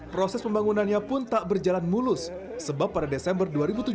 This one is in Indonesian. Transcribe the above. proses pembangunannya pun tak berjalan mulus sebab pada desember dua ribu tujuh belas